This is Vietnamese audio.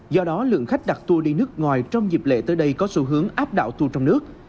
do đó lượng khách đặt tour đi nước ngoài trong dịp lễ tới đây có xu hướng áp đạo tour trong nước